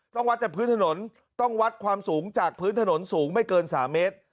วัดจากพื้นถนนต้องวัดความสูงจากพื้นถนนสูงไม่เกิน๓เมตร